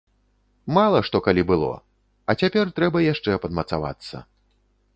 Мала што калі было, а цяпер трэба яшчэ падмацавацца.